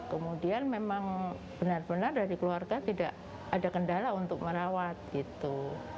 kemudian memang benar benar dari keluarga tidak ada kendala untuk merawat gitu